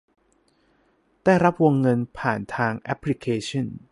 ได้รับวงเงินผ่านทางแอปพลิเคชัน